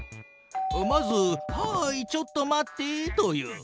まず「はいちょっと待って」と言う。